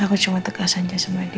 aku cuma tegas aja sama dia